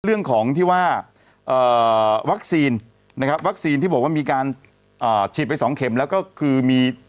เรื่องของที่ว่าวัคซีนนะครับวัคซีนที่บอกว่ามีการฉีดไปสองเข็มแล้วก็คือมี